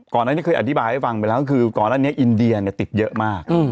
ก่อนหน้านี้เคยอธิบายให้ฟังไปแล้วก็คือก่อนอันนี้อินเดียเนี่ยติดเยอะมาก